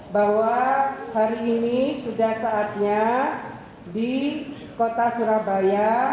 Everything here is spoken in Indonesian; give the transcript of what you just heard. bahwa hari ini sudah saatnya di kota surabaya